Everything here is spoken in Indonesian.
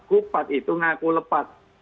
kupat itu ngaku lepat